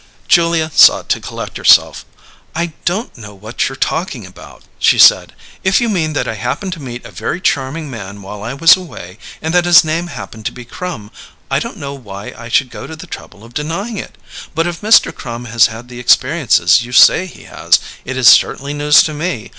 Julia sought to collect herself. "I don't know what you're talking about," she said. "If you mean that I happened to meet a very charming man while I was away, and that his name happened to be Crum, I don't know why I should go to the trouble of denying it. But if Mr. Crum has had the experiences you say he has, it is certainly news to me!